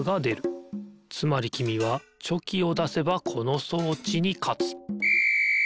つまりきみはチョキをだせばこの装置にかつピッ！